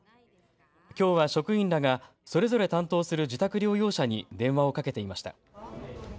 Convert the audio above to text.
きょうは職員らが、それぞれ担当する自宅療養者に電話をかけていました。